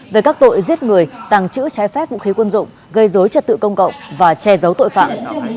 về các tội giết người tàng trữ trái phép vũ khí quân dụng gây dối trật tự công cộng và che giấu tội phạm